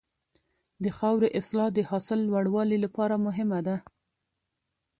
د خاورې اصلاح د حاصل د لوړوالي لپاره مهمه ده.